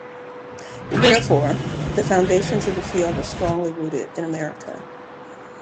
Therefore, the foundations of the field are strongly rooted in America.